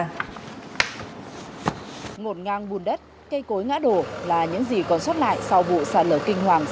ngột ngang bùn đất cây cối ngã đổ là những gì còn sót lại sau vụ sạt lở kinh hoàng